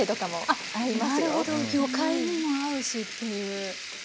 あっなるほど魚介にも合うしっていう。